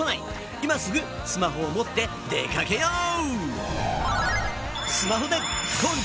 今すぐスマホを持って出かけよう！